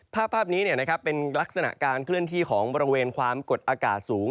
ภาพนี้เป็นลักษณะการเคลื่อนที่ของบริเวณความกดอากาศสูง